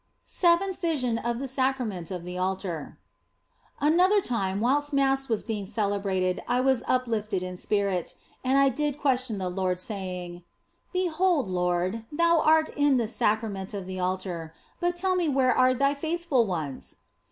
230 THE BLESSED ANGELA SEVENTH VISION OF THE SACRAMENT OF THE ALTAR ANOTHER time whilst Mass was being celebrated I was uplifted in spirit, and I did question the Lord, saying " Behold, Lord, Thou art in this Sacrament of the Altar, but tell me where are Thy faithful ones